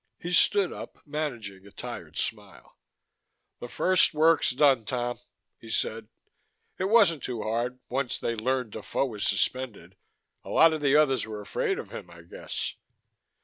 He stood up, managing a tired smile. "The first work's done, Tom," he said. "It wasn't too hard, once they learned Defoe was suspended; a lot of the others were afraid of him, I guess.